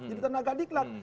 jadi tenaga diklat